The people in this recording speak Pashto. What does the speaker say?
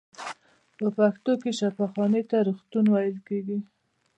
په پښتو کې شفاخانې ته روغتون ویل کیږی.